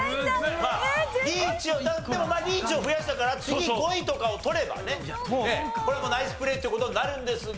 まあリーチをでもリーチを増やしたから次５位とかを取ればねこれもナイスプレーって事になるんですが。